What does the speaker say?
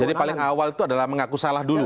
jadi paling awal itu adalah mengaku salah dulu